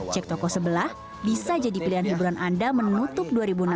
cek toko sebelah bisa jadi pilihan hiburan anda menutup dua ribu enam belas